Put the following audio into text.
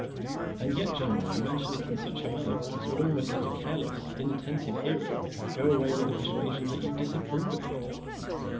And yet, General, you mention it in such a manner as would almost let a careless, inattentive hearer go away with the persuasion that you disapprove of it.